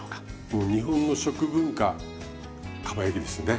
もう日本の食文化かば焼きですよね。